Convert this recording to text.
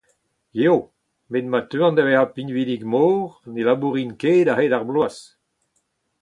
Geo, met ma teuan da vezañ pinvidik-mor ne labourin ket a-hed ar bloaz.